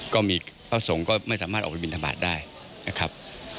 ก็มีพระสงฆ์ก็ไม่สามารถออกไปบินทบาทได้นะครับ